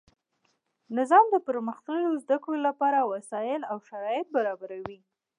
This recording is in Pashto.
نظام د پرمختللو زده کړو له پاره وسائل او شرایط برابروي.